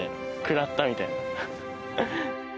食らったみたいな。